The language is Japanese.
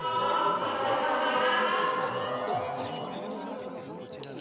アッハハハー！